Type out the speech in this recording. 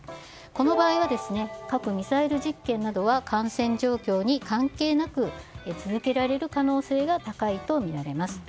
この場合は核ミサイル実験などは感染状況に関係なく続けられる可能性が高いとみられます。